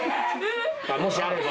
もしあれば。